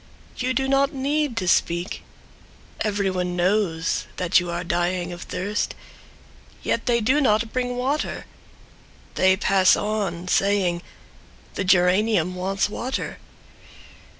You do not need to speak— Everyone knows that you are dying of thirst, Yet they do not bring water! They pass on, saying: "The geranium wants water."